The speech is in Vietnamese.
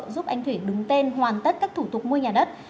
giúp anh thủy đứng tên hoàn tất các thủ tục mua nhà đất